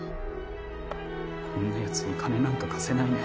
こんな奴に金なんか貸せないね。